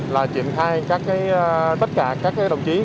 là triển khai tất cả các đồng chí